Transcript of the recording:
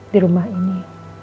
di rumah ini